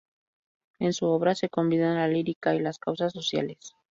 En su obra se combina la lírica y las causas sociales.